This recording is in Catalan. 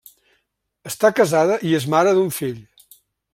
Està casada i és mare d'un fill.